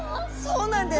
そうなんです！